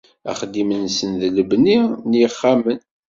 Axeddim-nsen d lebni n yexxamen.